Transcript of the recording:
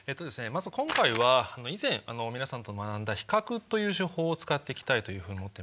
まず今回は以前皆さんと学んだ比較という手法を使っていきたいというふうに思ってます。